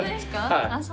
はい。